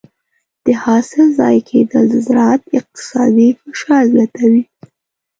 د حاصل ضایع کېدل د زراعت اقتصادي فشار زیاتوي.